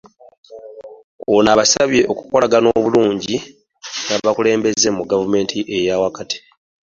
Ono abasabye okukolagana obulungi n'abakulembeze mu gavumenti eya wakati.